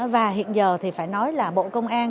và hiện giờ thì phải nói là bộ công an